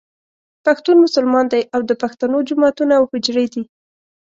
پښتون مسلمان دی او د پښتنو جوماتونه او حجرې دي.